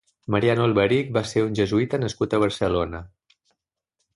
Mariano Alberich va ser un jesuita nascut a Barcelona.